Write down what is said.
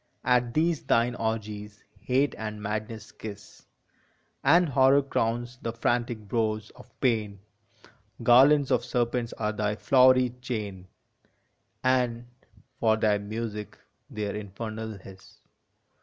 At these thine orgies Hate and Madness kiss, And Horror crowns the frantic brows of Pain ; Garlands of serpents are thy flowery chain And, for thy music, their infernal hiss.